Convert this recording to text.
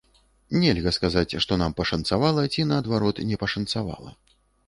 Нельга сказаць, што нам пашанцавала ці, наадварот, не пашанцавала.